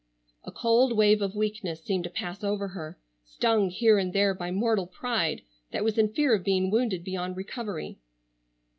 A cold wave of weakness seemed to pass over her, stung here and there by mortal pride that was in fear of being wounded beyond recovery.